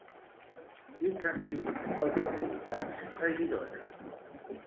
Quins han sigut els resultats a Girona?